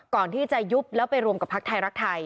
ก่อนที่จะยุบแล้วไปรวมกับภักดิ์ไทยรักไทย